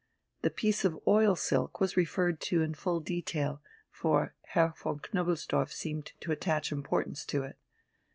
The piece of oil silk was referred to in full detail, for Herr von Knobelsdorff seemed to attach importance to it.